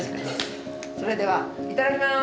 それではいただきます！